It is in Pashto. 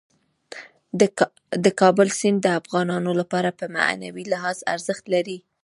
د کابل سیند د افغانانو لپاره په معنوي لحاظ ارزښت لري.